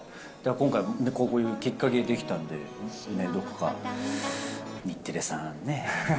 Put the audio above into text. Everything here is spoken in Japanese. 今回、こういうきっかけできたんで、どこか日テレさん、ね。